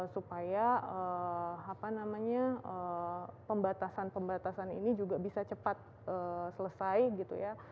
supaya apa namanya pembatasan pembatasan ini juga bisa cepat selesai gitu ya